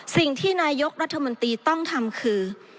สิ่งที่นายกรัฐมนตรีต้องทำคือ